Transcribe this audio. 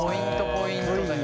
ポイントで。